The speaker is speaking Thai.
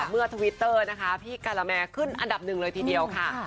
เมื่อทวิตเตอร์พี่กาลาแมร์ขึ้นอันดับหนึ่งเลยทีเดียวค่ะ